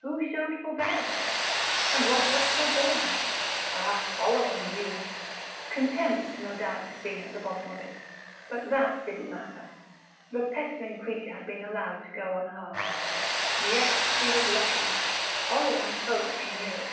Who showed forbearance? And what was forborne? Ah, Oleron knew!... Contempt, no doubt, had been at the bottom of it, but that didn't matter: the pestering creature had been allowed to go unharmed. Yes, she was lucky; Oleron hoped she knew it....